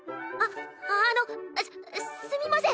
ああのすすみません